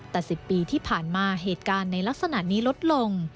แต่๑๐ปีที่ผ่านมาเหตุการณ์ในลักษณะนี้ลดลง